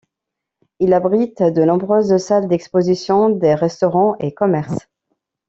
Il abrite de nombreuses salles d'expositions, des restaurants et commerces.